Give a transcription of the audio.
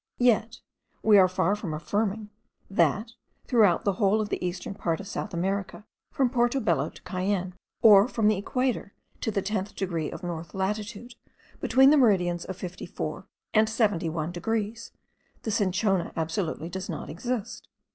Yet we are far from affirming, that, throughout the whole of the eastern part of South America, from Porto Bello to Cayenne, or from the equator to the 10th degree of north latitude between the meridians of 54 and 71 degrees, the cinchona absolutely does not exist.